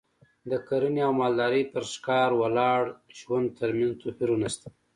د کرنې او مالدارۍ او پر ښکار ولاړ ژوند ترمنځ توپیرونه شته